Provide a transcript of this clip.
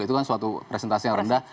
itu kan suatu presentasi yang rendah